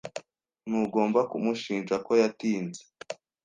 Ntugomba kumushinja ko yatinze.